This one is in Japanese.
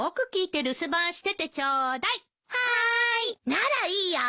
ならいいよ。